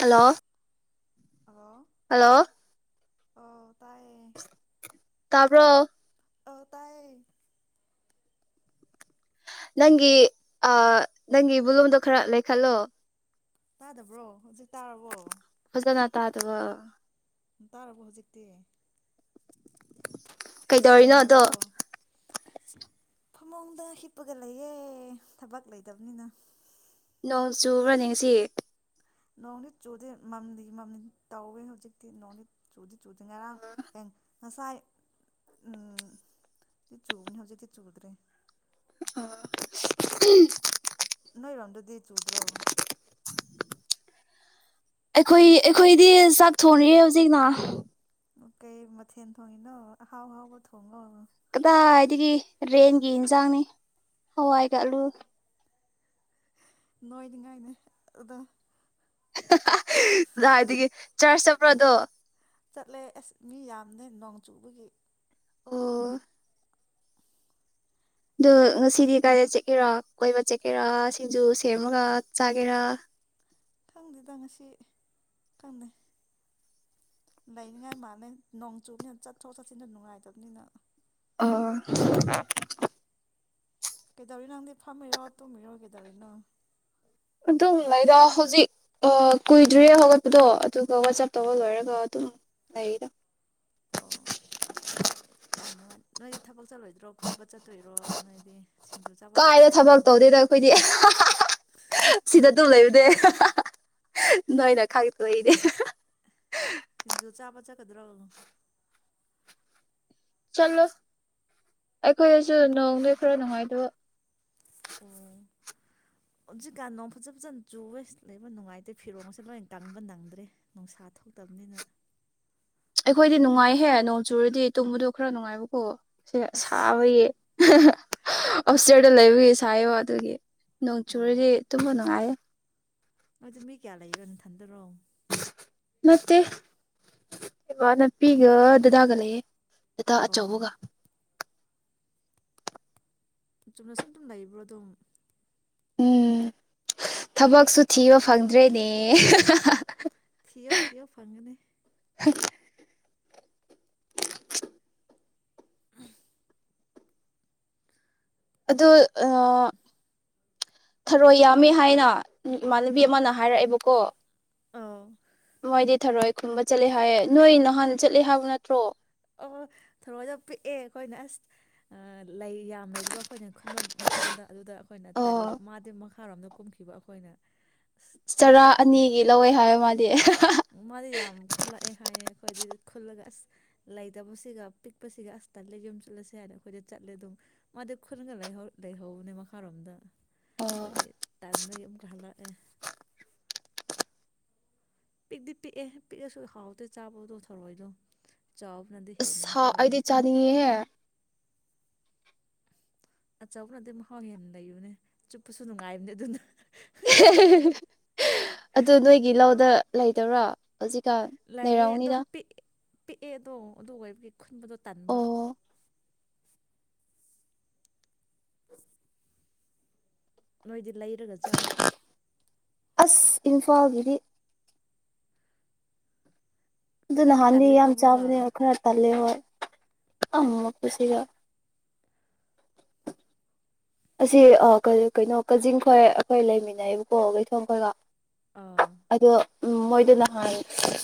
hello hello hello ꯇꯥꯏꯌꯦ ꯇꯥꯕ꯭ꯔꯣ ꯑꯧ ꯇꯥꯏꯌꯦ ꯅꯪꯒꯤ ꯑ ꯅꯪꯒꯤ ꯕꯨꯂꯨꯝꯗꯣ ꯈꯔ ꯂꯩꯈꯠꯂꯣ ꯇꯥꯗꯕ꯭ꯔꯣ ꯍꯧꯖꯤꯛ ꯇꯥꯔꯕꯣ ꯐꯖꯅ ꯇꯥꯗꯕ ꯇꯔꯕꯣ ꯍꯧꯖꯤꯛꯇꯤ ꯀꯩꯗꯧꯔꯤꯅꯣ ꯑꯗꯣ ꯁꯦꯡꯗꯕ꯭ꯔꯣ ꯐꯃꯨꯡꯗ ꯍꯤꯞꯄꯒ ꯂꯩꯌꯦ ꯊꯕꯛ ꯂꯩꯇꯕꯅꯤꯅ ꯅꯣꯡ ꯆꯨꯕ꯭ꯔꯅꯦ ꯉꯁꯤ ꯅꯣꯡꯗꯤ ꯆꯨꯗ ꯃꯝꯂꯤ ꯃꯝꯂꯤ ꯇꯧꯌꯦ ꯍꯧꯖꯤꯛꯇꯤ ꯅꯣꯡꯗꯤ ꯆꯨꯗꯤ ꯆꯨ ꯉꯔꯥꯡ ꯍꯦ ꯉꯁꯥꯏ ꯎꯝ ꯗꯤ ꯆꯨꯕꯅꯤ ꯍꯧꯖꯤꯛꯇꯤ ꯆꯨꯗ꯭ꯔꯦ ꯑꯣ ꯅꯣꯏꯔꯣꯝꯗꯗꯤ ꯆꯨꯗ꯭ꯔꯣ ꯑꯩꯈꯣꯏ ꯑꯩꯈꯣꯏꯗꯤ ꯆꯥꯛ ꯊꯣꯡꯔꯤ ꯍꯧꯖꯤꯛꯅ ꯀꯩ ꯃꯊꯦꯜ ꯊꯣꯡꯉꯤꯅꯣ ꯑꯍꯥꯎ ꯍꯥꯎꯕ ꯊꯣꯡꯉꯣ ꯀꯗꯥꯏꯗꯒꯤ ꯔꯦꯟꯒꯤ ꯏꯟꯖꯥꯡꯅꯤ ꯍꯋꯥꯏꯒ ꯑꯂꯨ ꯅꯣꯏꯅꯤꯡꯉꯥꯏꯅꯦ ꯑꯗꯣ ꯍꯥ ꯍꯥ ꯗꯥꯏꯗꯒꯤ ꯆꯔꯁ ꯆꯠꯄ꯭ꯔꯣ ꯑꯗꯣ ꯆꯠꯂꯦ ꯑꯁ ꯃꯤ ꯌꯥꯝꯗꯦ ꯅꯣꯡ ꯆꯨꯕꯒꯤ ꯑꯣ ꯑꯗꯨ ꯉꯁꯤꯗꯤ ꯀꯥꯏꯗ ꯆꯀꯦꯔꯥ ꯀꯣꯏꯕ ꯆꯠꯀꯦꯔꯥ ꯁꯤꯡꯖꯨ ꯁꯦꯝꯃꯒ ꯆꯥꯒꯦꯔ ꯈꯪꯗꯦꯗ ꯉꯁꯤ ꯈꯪꯗꯦ ꯂꯩꯅꯤꯉꯥꯏ ꯃꯥꯥꯜꯂꯦ ꯅꯣꯡ ꯆꯨꯕꯅꯤꯅ ꯆꯠꯊꯣꯛ ꯆꯠꯁꯤꯟꯗꯣ ꯅꯨꯡꯉꯥꯏꯇꯕꯅꯤꯅ ꯑꯣ ꯀꯩꯗꯧꯔꯤ ꯅꯪꯗꯤ ꯐꯝꯃꯤꯔꯣ ꯇꯨꯝꯃꯤꯔꯣ ꯀꯩꯗꯧꯔꯤ ꯅꯣ ꯑꯗꯨꯝ ꯂꯩꯗ ꯍꯧꯖꯤꯛ ꯑ ꯀꯨꯏꯗ꯭ꯔꯤꯌꯦ ꯍꯧꯒꯠꯄꯗꯣ ꯑꯗꯨꯒ ꯋꯥꯆꯞ ꯇꯧꯕ ꯂꯣꯏꯔꯒ ꯑꯗꯨꯝ ꯂꯩꯗ ꯑꯣ ꯌꯥꯝ ꯅꯨꯡꯉꯥꯏ ꯅꯣꯏꯗꯤ ꯊꯕꯛ ꯆꯠꯂꯣꯏꯗ꯭ꯔꯣ ꯀꯣꯏꯕ ꯆꯠ ꯇꯣꯏꯔꯣ ꯅꯣꯏꯗꯤ ꯁꯤꯡꯖꯨ ꯆꯥꯕ ꯀꯥꯏꯗ ꯆꯠꯇꯣꯏꯔꯣ ꯊꯕꯛ ꯇꯧꯗꯦꯗ ꯑꯩꯈꯣꯏꯗꯤ ꯍ ꯍ ꯍ ꯅꯣꯏꯅ ꯈꯪꯛꯇꯣꯏꯅꯦ ꯁꯤꯡꯖꯨ ꯆꯥꯕ ꯆꯠꯀꯗ꯭ꯔꯣ ꯆꯠꯂꯣꯏ ꯑꯩꯈꯣꯏꯗꯁꯨ ꯅꯣꯡꯅꯦ ꯈꯔ ꯅꯨꯡꯉꯥꯏꯇꯕ ꯑꯣ ꯍꯧꯖꯤꯛꯀꯥꯟ ꯅꯣꯡ ꯐꯖ ꯐꯖꯅ ꯆꯨꯋꯦ ꯂꯩꯕ ꯅꯨꯡꯉꯥꯏꯇꯦ ꯐꯤꯔꯣꯟ ꯒꯁꯦ ꯂꯣꯏꯅ ꯀꯪꯕ ꯅꯪꯗ꯭ꯔꯦ ꯅꯨꯡꯁꯥ ꯊꯣꯛꯇꯕꯅꯤꯅ ꯑꯩꯈꯣꯏꯗꯤ ꯅꯨꯡꯉꯥꯏꯍꯦ ꯅꯣꯡ ꯆꯨꯔꯗꯤ ꯇꯨꯝꯕꯗꯣ ꯈꯔ ꯅꯨꯡꯉꯥꯏꯕꯀꯣ ꯁꯦ ꯁꯥꯕꯩ ꯍꯦ ꯍꯦ ꯑꯁꯇꯔꯗ ꯂꯩꯕꯒꯤ ꯁꯥꯏꯕ ꯑꯗꯨꯒꯤ ꯅꯣꯡ ꯆꯨꯔꯗꯤ ꯇꯨꯝꯕ ꯅꯨꯡꯉꯥꯏꯌꯦ ꯑꯗꯨ ꯃꯤ ꯀꯌꯥ ꯂꯩꯔꯣ ꯅꯊꯟꯗꯔꯣ ꯅꯠꯇꯦ ꯏꯃꯥꯅꯞꯄꯤꯒ ꯗꯗꯥꯒ ꯂꯩꯌꯦ ꯗꯗꯥ ꯑꯣ ꯑꯆꯧꯕꯒ ꯆꯨꯝꯅ ꯁꯨꯝ ꯗꯨꯝ ꯂꯩꯕ꯭ꯔꯣ ꯑꯗꯨꯝ ꯎꯝ ꯊꯕꯛꯁꯨ ꯊꯤꯕ ꯐꯪꯗ꯭ꯔꯦꯅꯦ ꯊꯌꯣ ꯊꯤꯌꯣ ꯐꯪꯒꯅꯦ ꯍꯩ [inaudible] ꯑꯗꯨ ꯑꯥ ꯊꯔꯣꯏ ꯌꯥꯝꯃꯦ ꯍꯥꯏꯅ ꯏꯃꯥꯟꯅꯕꯤ ꯑꯃꯅ ꯍꯥꯏꯔꯛꯑꯦꯕꯀꯣ ꯑꯧ ꯃꯣꯏꯗꯤ ꯊꯔꯣꯏ ꯈꯨꯟꯕ ꯆꯠꯂꯦ ꯍꯥꯏꯌꯦ ꯅꯣꯏ ꯅꯍꯥꯟ ꯆꯠꯂꯦ ꯍꯥꯏꯕ ꯅꯠꯇ꯭ꯔꯣ ꯑꯣ ꯊꯔꯣꯏꯗꯣ ꯄꯤꯛꯑꯦ ꯑꯈꯣꯏꯅ ꯑꯁ ꯑꯥ ꯂꯩ ꯌꯥꯝ ꯂꯩꯕ ꯑꯈꯣꯏꯅ ꯈꯨꯟꯕꯥꯝ ꯃꯐꯝꯗ ꯑꯗꯨꯗ ꯑꯈꯣꯏꯅ ꯑꯣ ꯇꯜꯂꯕ ꯃꯥꯗꯤ ꯃꯈ ꯈꯔꯣꯝꯗ ꯀꯨꯝꯈꯤꯕ ꯑꯈꯣꯏꯅ ꯆꯔꯥ ꯑꯅꯤꯒꯤ ꯂꯧꯋꯦ ꯍꯥꯏ ꯃꯥꯗꯤ ꯃꯥꯗꯤ ꯌꯥꯝ ꯈꯨꯜꯂꯛꯑꯦ ꯍꯥꯏꯌꯦ ꯑꯈꯣꯏꯗꯤ ꯈꯨꯜꯂꯒ ꯑꯁ ꯂꯩꯇꯕꯁꯤꯒ ꯄꯤꯛꯄꯁꯤꯒ ꯑꯁ ꯇꯠꯂꯦ ꯌꯨꯝ ꯆꯠꯂꯁꯦ ꯍꯥꯏꯅ ꯑꯈꯣꯏꯗ ꯆꯠꯂꯦ ꯑꯗꯨꯝ ꯃꯥꯗꯤ ꯈꯨꯜꯒ ꯂꯩꯍꯧ ꯂꯩꯍꯧꯕꯅꯦ ꯃꯈꯥꯔꯣꯝꯗ ꯑꯣ ꯍꯣꯏꯗꯤ ꯇꯠ ꯂꯩ ꯑꯃꯨꯛꯀꯥ ꯍꯜꯂꯛꯑꯦ ꯄꯤꯛꯇꯤ ꯄꯤꯛꯑꯦ ꯄꯤꯛꯑꯁꯨ ꯍꯥꯎꯗꯦ ꯆꯥꯕꯗꯣ ꯊꯔꯣꯏꯗꯣ ꯆꯥꯎꯕꯅꯗꯤ ꯑꯁ ꯍꯦꯟꯅ ꯃꯍꯥꯎ ꯍꯥꯥ ꯂꯩ ꯑꯩꯗꯤ ꯆꯥꯅꯤꯡꯉꯦꯍꯦ ꯑꯆꯧꯕꯅꯗꯤ ꯃꯍꯥꯎ ꯍꯦꯟꯅ ꯂꯩꯕꯅꯦ ꯆꯨꯞꯄꯁꯨ ꯅꯨꯡꯉꯥꯏꯕꯅꯦ ꯑꯗꯨꯅ ꯂꯩꯗꯣꯔꯥ ꯍꯧꯖꯤꯛꯀꯟ ꯂꯩꯔꯝꯅꯤꯗ ꯄꯤꯛ ꯄꯤꯛꯑꯦ ꯑꯗꯣ ꯑꯗꯨ ꯑꯣꯏꯕꯒꯤ ꯈꯨꯟꯕꯗꯣ ꯇꯟꯕꯥ ꯑꯣ ꯅꯣꯏꯗꯤ ꯂꯩꯔꯒ ꯆꯥꯎ ꯑꯁ ꯏꯟꯐꯥꯜꯒꯤꯗꯤ ꯑꯗꯨ ꯈꯔꯗꯤ ꯅꯍꯥꯟꯗꯤ ꯇꯜꯂꯦꯀꯣ ꯌꯥꯝ ꯑꯃꯨꯛꯀ ꯆꯥꯕꯅꯦ ꯈꯔ ꯇꯜꯂꯦ ꯍꯣꯏ ꯑ ꯃꯀꯨꯁꯤꯒ ꯑꯁꯤ ꯑ ꯀꯩ ꯀꯩꯅꯣ ꯀꯖꯤꯡ ꯈꯣꯏ ꯑꯈꯣꯏ ꯂꯩꯃꯤꯟꯅꯩꯑꯕꯀꯣ ꯂꯩꯩꯊꯣꯡ ꯈꯣꯏꯒ ꯑꯥ ꯃꯣꯏꯗ ꯅꯍꯥꯟ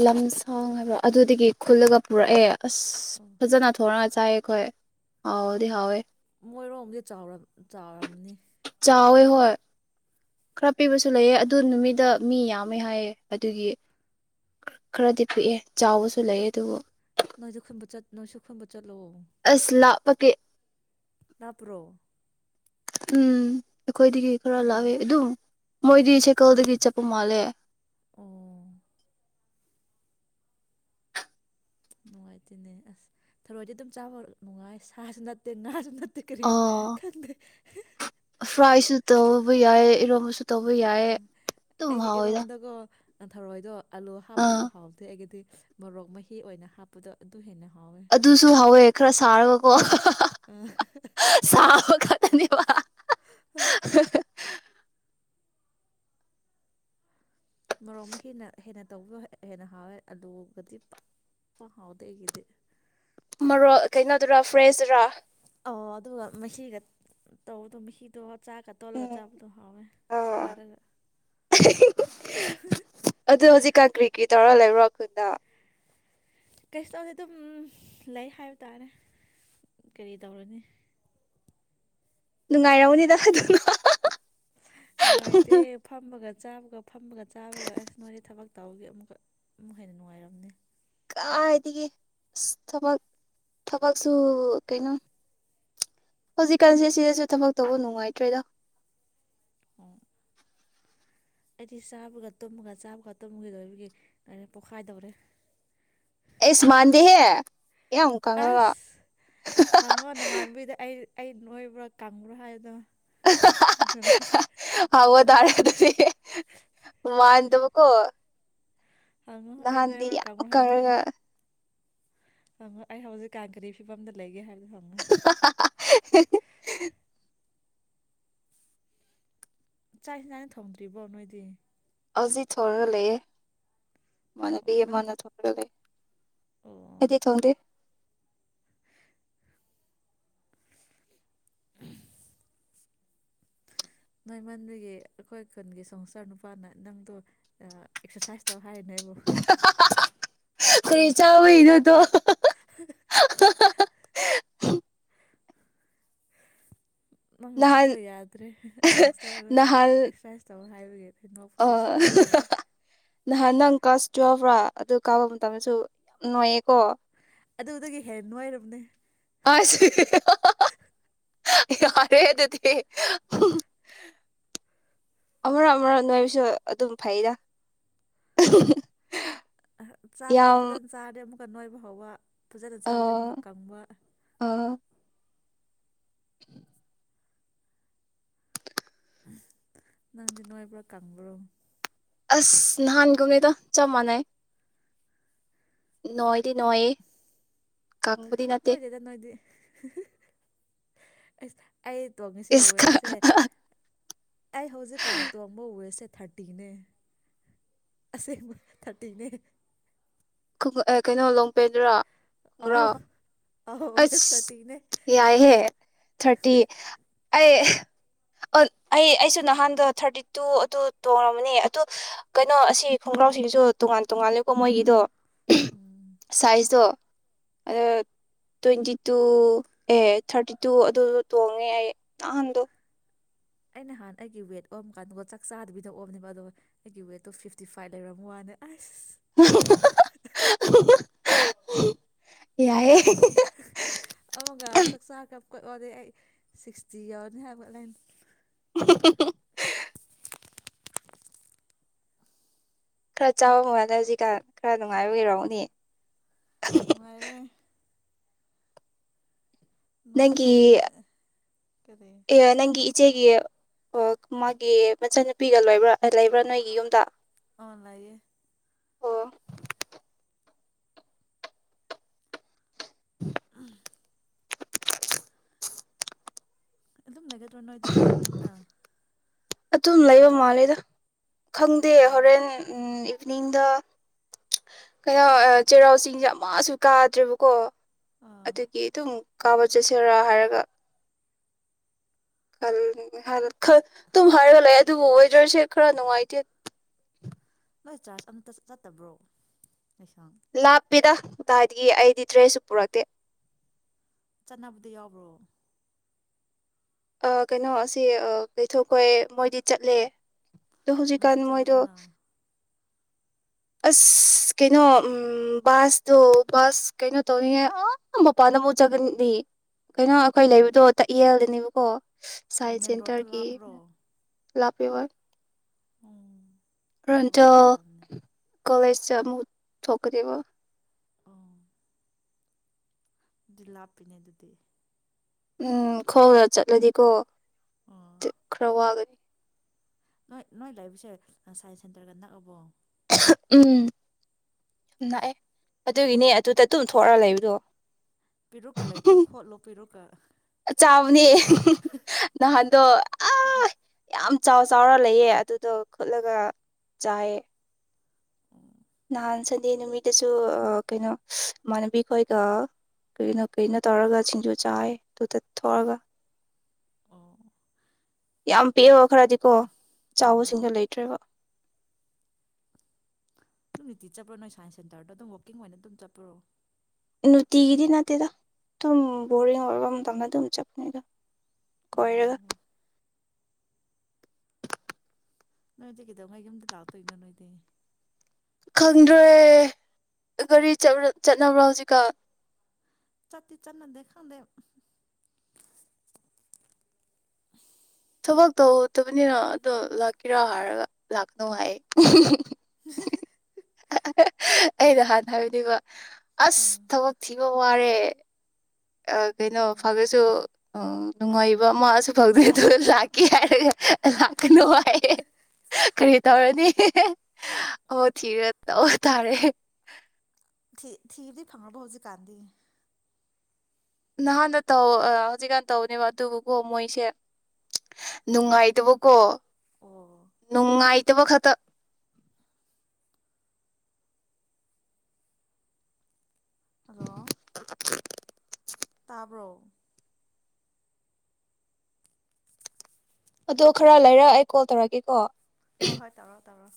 ꯂꯝꯁꯥꯡ ꯍꯥꯏꯕꯔꯥ ꯑꯗꯨꯗꯒꯤ ꯈꯨꯜꯂꯒ ꯄꯨꯔꯛꯑꯦ ꯑꯁ ꯑꯣ ꯐꯖꯅ ꯊꯣꯔꯥ ꯆꯥꯏꯌꯦꯈꯣꯏ ꯍꯥꯎꯑꯣꯗꯤ ꯍꯥꯎꯋꯦ ꯃꯣꯏꯔꯣꯝꯗꯤ ꯆꯥꯎꯔꯝ ꯆꯥꯎꯔꯝꯅꯤ ꯍꯥꯎꯋꯦ ꯍꯣꯏ ꯈꯔ ꯄꯤꯕꯁꯨ ꯂꯩꯑ ꯑꯗꯨ ꯅꯨꯃꯤꯠꯇ ꯃꯤ ꯌꯥꯝꯃꯦ ꯍꯥꯏꯌꯦ ꯑꯗꯨꯒꯤ ꯈꯔꯗꯤ ꯄꯤꯛꯑꯦ ꯆꯥꯎꯕꯁꯨ ꯂꯩꯑ ꯑꯗꯨꯕꯨ ꯅꯣꯏꯁꯨ ꯈꯨꯟꯕ ꯆꯠ ꯅꯣꯏꯁꯨ ꯈꯨꯟꯕ ꯆꯠꯂꯣ ꯑꯁ ꯂꯞꯄꯀꯦ ꯂꯥꯞꯄꯔꯣ ꯎꯝ ꯑꯈꯣꯏꯗꯒꯤ ꯈꯔ ꯑꯣ ꯂꯞꯄꯦ ꯑꯗꯨꯝ ꯃꯣꯏꯗꯤ ꯁꯦꯀꯜꯗꯒꯤ ꯆꯠꯄ ꯃꯥꯜꯂꯦ ꯑꯣ ꯅꯨꯡꯉꯥꯏꯇꯦꯅꯦ ꯑꯁ ꯊꯔꯣꯏꯗꯤ ꯑꯗꯨꯝ ꯆꯥꯕ ꯅꯨꯡꯉꯥꯏ ꯁꯥꯁꯨ ꯅꯠꯇꯦ ꯉꯥꯁꯨ ꯅꯠ ꯑꯣ ꯐ꯭ꯔꯥꯏꯁꯨ ꯇꯧꯎ ꯕꯨ ꯌꯥꯌꯦ ꯏꯔꯣꯝ ꯑꯩꯗꯤ ꯍꯥꯎꯋꯦꯗ ꯏꯔꯣꯝꯗꯒꯣ ꯅꯟꯊꯔꯣꯏꯗ꯭ꯔꯣ ꯑꯜꯂꯣ ꯑꯥ ꯍꯥꯞꯄꯇ ꯍꯥꯥꯎꯇꯦ ꯑꯩꯒꯤꯗꯤ ꯃꯣꯔꯣꯛ ꯃꯍꯤ ꯑꯣꯏꯅ ꯍꯥꯞꯄꯗꯣ ꯑꯗꯨ ꯍꯦꯟꯅ ꯍꯥꯎ ꯑꯗꯨꯁꯨ ꯍꯥꯎꯋꯦ ꯈꯔ ꯁꯥꯔꯒꯀꯣ ꯑꯥ [unintelligible] ꯃꯔꯣꯛ ꯃꯍꯤꯅ ꯍꯦꯟꯅ ꯍꯦꯟꯅ ꯇꯧꯕꯤꯌ ꯍꯦꯟꯅ ꯍꯥꯎꯋꯦ ꯑꯗꯨꯒꯗꯤ ꯄ ꯄꯥꯛ ꯍꯥꯎꯗꯦ ꯑꯩꯒꯤꯗꯤ ꯃꯔꯣ ꯀꯩꯅꯣꯗꯨꯔꯥ ꯐ꯭ꯔꯦꯁꯇꯔꯥ ꯑꯣ ꯑꯗꯨꯒ ꯃꯍꯤꯒ ꯇꯧꯗꯣ ꯃꯍꯤꯗꯣ ꯆꯥꯛꯒ ꯇꯣꯜꯂꯒ ꯎꯝ ꯆꯥꯕꯗꯣ ꯍꯥꯎꯋꯦ ꯑ ꯁꯥꯔꯒ ꯑꯗꯣ ꯍꯧꯖꯤꯛꯀꯥꯟ ꯀ꯭ꯔꯤ ꯀ꯭ꯔꯤ ꯇꯧꯔ ꯂꯩꯕ꯭ꯔꯣ ꯑꯩꯈꯣꯏꯗ ꯀꯩꯁꯨ ꯇꯧꯁꯦ ꯑꯗꯨꯝ ꯂꯩ ꯍꯥꯏꯕ ꯇꯥꯔꯦ ꯀꯔꯤ ꯇꯧꯔꯅꯤ ꯅꯨꯡꯉꯥꯏꯔꯝꯃꯅꯤꯗ [unintelligible] ꯅꯨꯡꯉꯥꯏꯇꯦ ꯐꯃꯒ ꯆꯥꯕꯒ ꯐꯝꯃꯒ ꯆꯥꯕꯒ ꯑꯁ ꯅꯣꯏꯗꯤ ꯊꯕꯛ ꯇꯧꯒꯤ ꯑꯃꯨꯛꯀ ꯑꯃꯨꯛ ꯍꯦꯟꯅ ꯅꯨꯡꯉꯥꯏꯔꯝꯅꯤ ꯀꯥꯏꯗꯒꯤ ꯑꯁ ꯊꯕꯛ ꯊꯕꯛꯁꯨ ꯀꯩꯅꯣ ꯍꯧꯖꯤꯛꯀꯥꯟꯁꯦ ꯁꯤꯗꯁꯨ ꯊꯕꯛ ꯇꯧꯕ ꯅꯨꯡꯉꯥꯏꯇ꯭ꯔꯦꯗꯣ ꯑꯣ ꯑꯩꯗꯤ ꯆꯥꯕꯒ ꯇꯨꯝꯃꯒ ꯆꯥꯕꯒ ꯇꯨꯝꯃ ꯗꯣꯏꯕꯒꯤ ꯀ ꯄꯣꯛꯈꯥꯏꯗꯧꯔꯦ ꯑꯁ ꯃꯥꯟꯗꯍꯦ ꯌꯥꯝ ꯀꯪꯉꯉꯦꯀꯣ ꯑꯁ ꯍꯥ ꯍꯥ ꯍꯥ ꯍꯪꯉꯣ ꯅꯃꯥꯟꯅꯕꯤꯗ ꯑꯩ ꯑꯩ ꯅꯣꯏꯕ꯭ꯔꯥ ꯀꯪꯕ꯭ꯔꯥ ꯍꯥꯏꯗꯣ [unintelligible] ꯔꯗ ꯃꯥꯅꯗꯕ ꯀꯣ ꯍꯪꯉꯣ ꯑꯩ ꯅꯍꯥꯟꯗꯤ ꯅꯣꯏꯕ꯭ꯔꯥ ꯌꯥꯝ ꯀꯪꯕ꯭ꯔꯥ ꯍꯥꯏꯕꯗꯣ ꯀꯔꯒ ꯑꯩ ꯍꯧꯖꯤꯛ ꯀ ꯀꯔꯤ ꯐꯤꯕꯝꯗ ꯂꯩꯒꯦ ꯍꯥꯏꯕ [inaudible] ꯆꯥꯛ ꯏꯟꯁꯥꯡꯅ ꯊꯝꯗ꯭ꯔꯤꯕꯣ ꯅꯣꯏꯗꯤ ꯑꯖꯤ ꯊꯣꯔ ꯂꯩ ꯑꯣ ꯃꯅꯦꯗꯤ ꯅꯪ ꯃꯅ ꯊ ꯊꯣꯛ ꯂꯩꯦ ꯑꯣ ꯑꯩꯗꯤ ꯊꯣꯡꯗꯦ ꯅꯣꯏꯃꯟꯕꯤꯒꯤ ꯑꯩꯈꯣꯏ ꯈꯨꯟꯒꯤ ꯁꯪꯁꯇꯔ ꯅꯨꯄꯥꯅ ꯅꯪꯗꯣ ꯑꯦꯛꯁꯔꯁꯥꯏꯁ ꯇꯧ ꯍꯥꯏꯅꯦꯕꯨ ꯀꯩ ꯆꯥ ꯕꯩꯅꯣ ꯗꯣ ꯍꯥ ꯍꯥꯍꯥ ꯍꯥ ꯅꯪ ꯅꯍꯥꯟ ꯄꯨꯛꯇꯣ ꯌꯥꯗ꯭ꯔꯦ ꯁꯪꯁꯔ ꯅꯍꯥꯟ ꯑꯦꯛꯁꯔꯁꯥꯏ ꯇꯧ ꯍꯥꯏ ꯍꯦꯡ ꯑ ꯅꯣꯛꯄꯗꯨ ꯁꯤꯈꯔꯦ ꯍꯣꯏ ꯅꯍꯥꯟ ꯅꯪ ꯀ꯭ꯂꯥꯁ ꯇꯨꯋꯦꯜꯕꯔ ꯑꯗꯨ ꯀꯥꯕ ꯃꯇꯝꯗꯁꯨ ꯌꯥꯝ ꯅꯨꯡꯉꯌꯦꯀꯣ ꯑꯗꯨꯗꯒꯤ ꯍꯦꯟꯅ ꯅꯨꯡꯉꯥꯏꯔꯕꯅꯦ ꯑꯁ ꯍꯤ ꯍꯥ ꯍꯥ ꯍꯥ ꯌꯥꯔꯦ ꯑꯗꯨꯗꯤ ꯍꯍꯥ ꯑꯃꯔꯛ ꯑꯃꯔꯛ ꯅꯣꯏꯕꯁꯨ ꯑꯗꯨꯝ ꯐꯩꯗ ꯎꯝ ꯍ ꯍꯨ ꯆꯥꯕꯗꯣ ꯐꯖꯅ ꯆꯥꯔꯗꯤ ꯑꯃꯨꯛ ꯈ ꯟꯣꯏꯕ ꯍꯧꯕ ꯐꯖꯅ ꯑ ꯆꯥꯗ꯭ꯔꯦ ꯑꯃꯨꯛꯀ ꯀꯪꯕ ꯑ [inaudible] ꯅꯪꯗꯤ ꯅꯣꯏꯕ꯭ꯔꯥ ꯀꯡꯕ꯭ꯔꯣ ꯑꯁ ꯅꯍꯥꯟ ꯒꯨꯝꯅꯤꯗ ꯆꯞ ꯃꯥꯅꯩ ꯅꯣꯏꯗꯤ ꯅꯣꯏꯌꯦ ꯀꯪꯝꯕꯗꯤ ꯅꯠꯇꯦ ꯍ ꯍ [unintelligible] ꯑꯩ ꯇꯣꯜꯃꯤꯁꯦ ꯏꯁ ꯍꯨꯑꯦꯁꯦ ꯑꯩ ꯍꯧꯖꯤꯛꯀꯥꯟ ꯇꯣꯡꯕ ꯋꯦꯁꯦ ꯊꯥꯔꯇꯤꯅꯦ ꯑꯁꯦꯡꯕ ꯊꯥꯔꯇꯤꯅꯦ [unintelligible] ꯀꯩꯅꯣ ꯂꯣꯡꯄꯦꯟꯗ꯭ꯔꯥ ꯑꯧ ꯑꯁ ꯌꯥꯏꯍꯦ ꯊꯥꯔꯇꯤ ꯑꯩ ꯑꯣ ꯑꯩ ꯑꯩꯁꯨ ꯅꯍꯥꯟꯗꯣ ꯊꯥꯔꯇꯤ ꯇꯨ ꯑꯗꯨ ꯇꯣꯡꯉꯕꯅꯦ ꯑꯗꯨ ꯀꯩꯅꯣ ꯑꯁꯤ ꯈꯣꯡꯒ꯭ꯔꯥꯎꯁꯤꯡꯁꯨ ꯇꯣꯉꯥꯟ ꯇꯣꯉꯥꯟꯂꯦꯀꯣ ꯃꯣꯏꯒꯤꯗꯣ ꯎꯝ ꯁꯥꯏꯖ ꯗꯣ ꯑꯗꯣ ꯇ꯭ꯋꯦꯟꯇꯤ ꯇꯨ ꯑꯦ ꯊꯥꯔꯇꯤ ꯇꯨ ꯑꯗꯨꯗꯣ ꯇꯣꯡꯉꯦ ꯑꯩ ꯅꯍꯥꯟꯗꯣ ꯑꯩꯅ ꯍꯥꯟ ꯑꯩꯒꯤ ꯋꯦꯠ ꯑꯣꯝꯃ ꯀꯥꯟꯗꯀꯣ ꯆꯥꯛ ꯆꯥꯗꯕꯤꯅ ꯑꯣꯝꯅꯦꯕ ꯑꯗꯣ ꯑꯩꯒꯤ ꯋꯦꯠꯇꯣ ꯐꯤꯐꯇꯤ ꯐꯥꯏꯚ ꯂꯩꯔꯝ ꯋꯥꯅꯦ ꯑꯁ ꯌꯥꯏ ꯑꯃꯒ ꯆꯥꯛꯆꯥꯒ ꯀꯣꯏ ꯑꯣꯏꯗꯩ ꯑꯩ ꯁꯤꯛꯁꯇꯤ ꯌꯎꯔꯅꯤ ꯍꯥꯏꯕ ꯂꯥꯏꯟ ꯑꯍ ꯍ ꯍ ꯈꯔ ꯆꯥꯕ ꯃꯥꯜꯂꯦ ꯍꯧꯖꯤꯛꯀꯥꯟ ꯈꯔ ꯅꯨꯡꯉꯥꯏꯕꯩ ꯑꯣꯏꯔꯝꯒꯅꯤ ꯅꯨꯡꯉꯥꯏꯔꯦ ꯅꯪꯒꯤ ꯅꯣꯏꯕꯁꯦ ꯅꯨꯃꯤꯠ ꯀꯔꯤ ꯑꯦ ꯅꯪꯒꯤ ꯏꯆꯦꯒꯤ ꯑꯣ ꯃꯥꯒꯤ ꯃꯆꯟꯅꯨꯄꯤꯒ ꯂꯣꯏꯕ꯭ꯔ ꯂꯩꯕ꯭ꯔꯥ ꯅꯣꯏꯒꯤ ꯌꯨꯝꯗꯣ ꯑꯣꯟ ꯂꯥꯏꯌꯦ ꯑꯗꯨꯝ ꯅꯩꯒ ꯇ꯭ꯔꯣ ꯅꯣꯏꯗꯤ ꯉꯁꯤ ꯌꯨꯝꯗ ꯑꯇꯨꯝ ꯂꯩꯕ ꯃꯥꯟꯂꯦꯗ ꯈꯪꯗꯦ ꯑꯣ ꯍꯣꯔꯦꯟ ꯎꯝ ꯅꯤꯡꯗ ꯀꯩꯅꯣ ꯑ ꯆꯩꯔꯥꯎ ꯆꯤꯡꯁꯦ ꯑꯃꯁꯨ ꯀꯥꯗ꯭ꯔꯤꯕꯀꯣ ꯑꯥ ꯑꯗꯨꯒꯤ ꯑꯗꯨꯝ ꯀꯥꯕ ꯆꯠꯁꯦꯔꯥ ꯍꯥꯏꯔꯒ [unintelligible] ꯇꯨꯝ ꯍꯥꯏꯔꯒ ꯂꯩ ꯑꯗꯨꯕꯨ ꯑꯣꯏꯗ꯭ꯔꯁꯦ ꯈꯔ ꯅꯨꯡꯉꯥꯏꯇꯦ ꯅꯣꯏ ꯆꯥꯔꯁ ꯑꯝꯇ ꯆꯠꯇꯕ꯭ꯔꯣ ꯂꯩꯁꯥ ꯂꯥꯞꯄꯤꯗ ꯇꯥꯏꯗꯒꯤ ꯑꯩꯗꯤ ꯗ꯭ꯔꯦꯁꯁꯨ ꯄꯨꯔꯛꯇꯦ ꯆꯠꯅꯕꯗꯤ ꯌꯥꯎꯕ꯭ꯔꯣ ꯑꯥ ꯀꯩꯅꯣ ꯑꯁꯤ ꯑꯥ ꯀꯩꯊꯧꯈꯣꯏ ꯃꯣꯏꯗꯤ ꯆꯠꯂꯦ ꯗꯣ ꯍꯧꯖꯤꯛꯀꯥꯟ ꯅꯣꯏꯁꯨ ꯃꯣꯏꯗꯣ ꯆꯠꯂꯗꯅ ꯑꯁ ꯀꯩꯅꯣ ꯎꯝ ꯕꯥꯁꯇꯣ ꯕꯥꯁ ꯀꯩꯅꯣ ꯇꯧꯔꯤꯉꯥꯏ ꯑꯥ ꯃꯄꯥꯟꯗꯥ ꯑꯃꯨꯛ ꯆꯠꯀꯅꯤ ꯀꯩꯅꯣ ꯑꯈꯣꯏ ꯑꯣ ꯂꯩꯕꯗꯣ ꯇꯛꯌꯦꯜ ꯅꯤꯕꯀꯣ ꯑꯣ ꯁꯥꯏ ꯃꯦꯟ ꯔꯣꯗꯇ ꯁꯦꯟꯇꯔꯒꯤ ꯂꯥꯞꯄ꯭ꯔꯣ ꯂꯥꯞꯄꯦ ꯍꯣꯢ ꯎꯝ ꯑꯗꯨꯒꯩꯒꯤ ꯑꯣꯏꯔꯝꯅꯤ ꯀꯣꯂꯦꯁꯇ ꯑꯃꯨꯛ ꯊꯣꯛꯀꯅꯦꯕ ꯑꯥ ꯑꯗꯨ ꯂꯥꯞꯄꯤꯅꯦ ꯑꯗꯨꯗꯤ ꯎꯝ ꯈꯣꯡꯅꯥ ꯆꯠꯂꯗꯤꯀꯣ ꯑꯣ ꯑꯗꯨ ꯈꯔ ꯋꯥꯒꯅꯤ ꯅꯣꯏ ꯅꯣꯏ ꯂꯩꯥꯕꯁꯦ ꯁꯥꯏꯟꯁ ꯁꯦꯟꯇꯔꯒ ꯅꯛꯑꯕꯣ ꯎꯝ ꯅꯛꯑꯦ ꯑꯗꯨꯒꯤꯅꯦ ꯑꯗꯨꯗ ꯇꯨꯝ ꯊꯣꯔꯛꯑ ꯂꯩꯕꯗꯨ ꯄꯤꯔꯨꯛꯀ ꯂꯩꯇ꯭ꯔꯣ ꯈꯣꯠꯂꯣ ꯄꯤꯔꯨꯛꯀ ꯑ ꯆꯥꯎꯕꯅꯦ ꯅꯥꯍꯟꯗꯣ ꯑꯥ ꯌꯥꯝ ꯆꯥꯎ ꯆꯥꯎꯔ ꯂꯩꯑ ꯑꯗꯨꯗꯣ ꯈꯨꯠꯂꯒ ꯆꯥꯏꯌꯦ ꯎꯝ ꯅꯍꯥꯟ ꯁꯟꯗꯦ ꯅꯨꯃꯤꯠꯇꯁꯨ ꯀꯩꯅꯣ ꯏꯃꯥꯟꯅꯕꯤ ꯈꯣꯏꯒ ꯀꯔꯤꯅꯣ ꯀꯔꯤꯅꯣ ꯇꯧꯔꯒ ꯁꯤꯡꯖꯨ ꯆꯥꯏ ꯑꯗꯨꯗ ꯊꯣꯛꯑꯒ ꯑꯣ [unintelligible] ꯈꯔꯗꯤꯀꯣ ꯑꯣ ꯑꯗꯨꯝ ꯆꯥꯎꯕꯁꯤꯡꯗ ꯂꯩꯇ꯭ꯔꯦꯕ ꯑꯗꯨꯝ ꯅꯨꯡꯇꯤ ꯆꯠꯄ꯭ꯔꯣ ꯅꯣꯏ ꯁꯥꯏꯟꯁ ꯁꯦꯟꯇꯔꯗꯣ ꯑꯗꯨꯝ ꯋꯥꯛꯀꯤꯡ ꯑꯣꯏꯅ ꯑꯗꯨꯝ ꯆꯠꯄ꯭ꯔꯣ ꯅꯨꯡꯇꯤꯒꯤꯗꯤ ꯅꯠꯇꯦꯗ ꯑꯗꯨꯝ ꯕꯣꯔꯤꯡ ꯑꯣꯏꯕ ꯃꯇꯝꯗ ꯑꯗꯨꯝ ꯆꯠꯄꯅꯤꯗ ꯀꯣꯏꯔꯒ ꯑꯣ ꯅꯣꯏꯗꯤ ꯀꯩꯗꯧꯉꯩ ꯌꯨꯝꯗ ꯂꯥꯛꯇꯣꯏꯅꯣ ꯅꯣꯏꯗꯤ ꯈꯪꯗ꯭ꯔꯦ ꯒꯥꯔꯤ ꯆꯠꯅꯕ꯭ꯔ ꯍꯧꯖꯤꯛꯀꯥꯟ ꯆꯠꯇꯤ ꯆꯠꯅꯗꯦ ꯈꯪꯗꯦ ꯊꯕꯛ ꯇꯧꯗꯕꯅꯤꯅ ꯑꯗꯣ ꯂꯛꯀꯦꯔꯥ ꯍꯥꯏꯔꯒ ꯂꯥꯛꯀꯅꯨ ꯍꯥꯏꯌꯦ [unintelligible] ꯑꯩꯅꯥ ꯍꯥꯟꯅ ꯍꯥꯏꯕꯅꯤꯕ ꯑꯁ ꯑꯥ ꯊꯕꯛ ꯊꯤꯕ ꯗꯣ ꯋꯥꯔꯦ ꯑ ꯀꯩꯅꯣ ꯑꯥ ꯐꯪꯉꯁꯨ ꯑꯣ ꯅꯨꯡꯉꯥꯏꯕ ꯃꯥꯁꯨ ꯐꯪꯗꯦꯗꯣ ꯂꯥꯛꯀꯦ ꯍꯥꯏꯔꯒ ꯂꯥꯛꯀꯅꯨ ꯍꯥꯏ ꯑꯩ ꯀꯔꯤ ꯇꯧꯔꯅꯤ ꯑꯣ ꯊꯤꯔꯥ ꯇꯧ ꯇꯥꯔꯦ ꯊꯤ ꯊꯤꯕꯗꯤ ꯐꯪꯉꯥꯕꯣ ꯍꯧꯖꯤꯛꯀꯥꯟꯗꯤ ꯅꯍꯥꯟꯗ ꯇꯧ ꯑ ꯍꯧꯖꯤꯛꯀꯥꯟ ꯇꯧꯅꯦꯕ ꯑꯗꯨꯕꯨꯀꯣ ꯃꯣꯏꯁꯦ ꯎꯝ ꯅꯨꯡꯉꯥꯏꯇꯕꯀꯣ ꯑꯣ ꯅꯨꯡꯉꯥꯏ ꯇꯕ ꯈꯇꯥ ꯍꯜꯂꯣ [inaudible] ꯇꯥꯕ꯭ꯔꯣ ꯑꯗꯣ ꯈꯔ ꯂꯩꯔ ꯑꯩ ꯀꯣꯜ ꯇꯧꯔꯀꯦꯀꯣ ꯍꯣ ꯍꯣꯏ ꯇꯥꯔꯣꯑꯣ ꯇꯥꯔꯣꯑꯣ